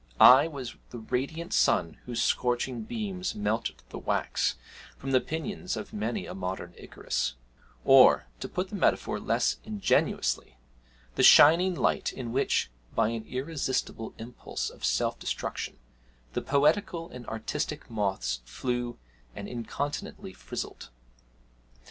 I was the radiant sun whose scorching beams melted the wax from the pinions of many a modern Icarus; or, to put the metaphor less ingeniously, the shining light in which, by an irresistible impulse of self destruction, the poetical and artistic moths flew and incontinently frizzled.